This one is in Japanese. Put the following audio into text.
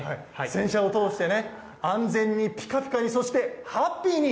洗車を通して、安全にぴかぴかに、そしてハッピーに。